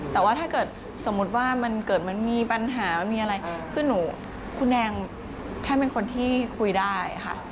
แต่ว่าถ้าเกิดสมมุติว่ามันเกิดมันมีปัญหามันมีอะไรคือหนูคุณแดงแทบเป็นคนที่คุยได้ค่ะ